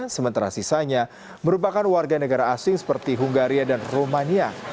sementara sisanya merupakan warga negara asing seperti hungaria dan romania